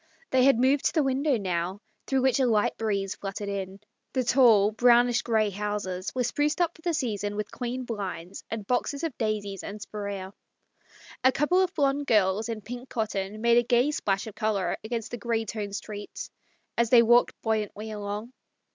They had moved to the window now, through which a light breeze fluttered in. The tall, brown ish grey houses were spruced up for the season with clean blinds and boxes of daisies and spirea. A couple of blond girls in pink cotton made a gay splash of colour against the grey toned street as they walked buoyantly along.